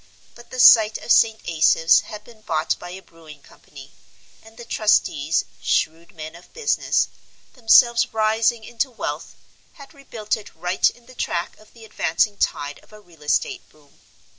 But the site of St. Asaph's had been bought by a brewing company, and the trustees, shrewd men of business, themselves rising into wealth, had rebuilt it right in the track of the advancing tide of a real estate boom.